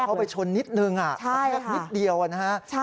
เขาไปชนนิดนึงสักนิดเดียวนะฮะ